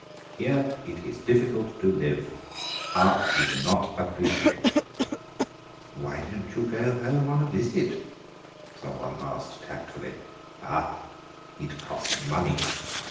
Here it is difficult to live; art is not appreciate." "Why don't you go home on a visit?" some one asked tactfully. "Ah, it cost money!